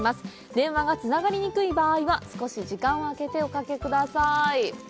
電話がつながりにくい場合は少し時間をあけておかけください。